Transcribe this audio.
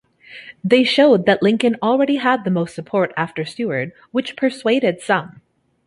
They showed that Lincoln already had the most support after Seward, which persuaded some.